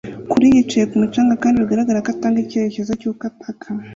kuri yicaye kumu canga kandi bigaragara ko atanga igitekerezo cyuko ataka